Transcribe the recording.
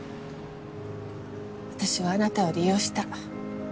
私はあなたを利用した。